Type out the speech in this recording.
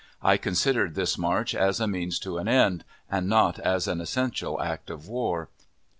I considered this march as a means to an end, and not as an essential act of war.